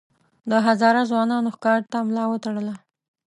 د هزاره ځوانانو ښکار ته ملا وتړله.